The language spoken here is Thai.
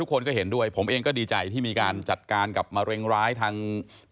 และก็สปอร์ตเรียนว่าคำน่าจะมีการล็อคกรมการสังขัดสปอร์ตเรื่องหน้าในวงการกีฬาประกอบสนับไทย